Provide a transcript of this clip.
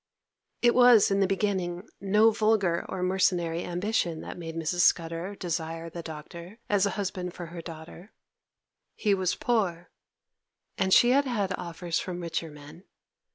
It was in the beginning no vulgar nor mercenary ambition that made Mrs. Scudder desire the Doctor as a husband for her daughter. He was poor, and she had had offers from richer men.